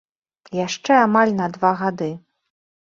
Яшчэ амаль на два гады.